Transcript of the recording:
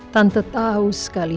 tante tahu sekali